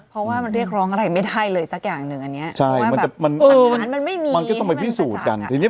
เพราะว่ามันเรียกร้องอะไรไม่ได้เลยสักอย่างหนึ่งอันนี้ใช่